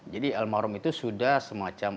jadi almarhum itu sudah semacam